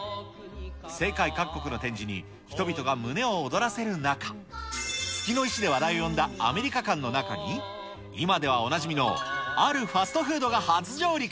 世界各国の展示に、人々が胸を躍らせる中、月の石で話題を呼んだアメリカ館の中に、今ではおなじみのあるファストフードが初上陸。